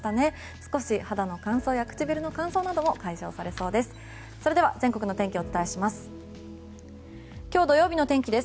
少し肌の乾燥や唇の乾燥なども解消されそうです。